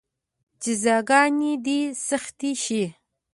جزاګانې دې سختې شي.